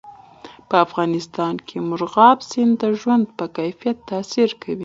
په افغانستان کې مورغاب سیند د ژوند په کیفیت تاثیر کوي.